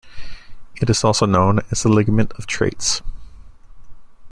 It is also known as the ligament of Treitz.